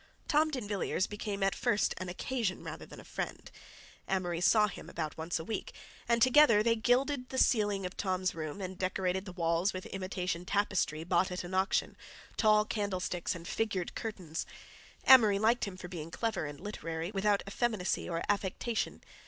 Tom D'Invilliers became at first an occasion rather than a friend. Amory saw him about once a week, and together they gilded the ceiling of Tom's room and decorated the walls with imitation tapestry, bought at an auction, tall candlesticks and figured curtains. Amory liked him for being clever and literary without effeminacy or affectation.